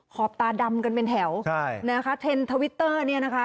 บตาดำกันเป็นแถวใช่นะคะเทรนด์ทวิตเตอร์เนี่ยนะคะ